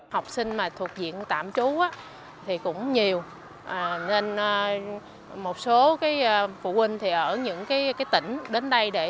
học sinh mà thuộc viện tạm trú thì cũng nhiều nên một số phụ huynh thì ở những cái tỉnh đến đây để học